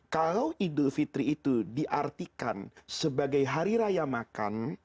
kalau idul fitri itu diartikan sebagai hari raya makan